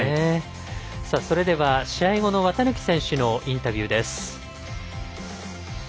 それでは試合後の綿貫選手のインタビューです。